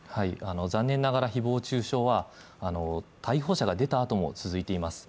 残念ながら誹謗中傷は、逮捕者が出たあとも続いています。